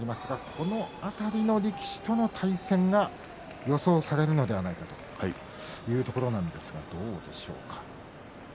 この辺りの力士との対戦が予想されるのではないかというところなんですがどうでしょうか。